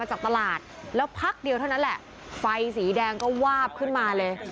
จากตลาดแล้วพักเดียวเท่านั้นแหละไฟสีแดงก็วาบขึ้นมาเลย